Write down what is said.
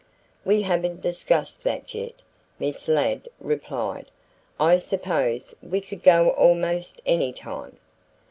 "We haven't discussed that yet," Miss Ladd replied. "I suppose we could go almost any time."